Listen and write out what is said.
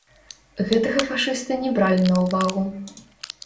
Гэтага фашысты не бралі на ўвагу.